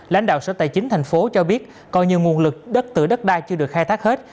lãnh đạo sở tài chính thành phố cho biết coi như nguồn lực đất tửa đất đai chưa được khai thác hết